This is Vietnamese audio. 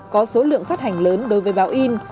có số lượng phát hành lớn đối với báo in